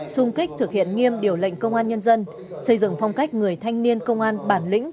sung kích thực hiện nghiêm điều lệnh công an nhân dân xây dựng phong cách người thanh niên công an bản lĩnh